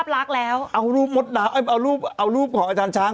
เขาว่าติดเป็นภาพลักษณ์แล้วเอารูปของอาจารย์ช้าง